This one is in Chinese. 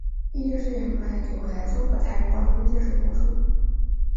壹电视也卖给纬来综合台与冠军电视播出。